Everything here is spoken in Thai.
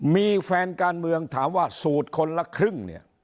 มีแฟนการเมืองถามว่าสูตรคนละครึ่งเนี่ย